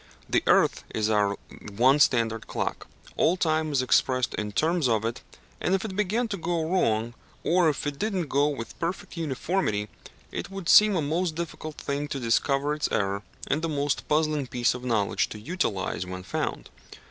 The earth is our one standard clock: all time is expressed in terms of it, and if it began to go wrong, or if it did not go with perfect uniformity, it would seem a most difficult thing to discover its error, and a most puzzling piece of knowledge to utilize when found.